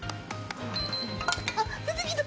あ！出てきた！